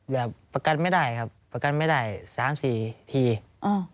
แบบประกันไม่ได้ครับประกันไม่ได้สามสี่ทีอ่า